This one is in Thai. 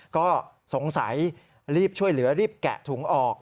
ก็สงสัยรีบช่วยเหลือรีบแกะถุงออก